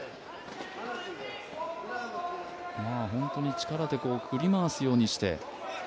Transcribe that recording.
本当に力で振り回すようにして。